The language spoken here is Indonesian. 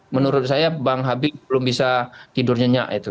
menurut saya bang habib belum bisa tidur nyenyak itu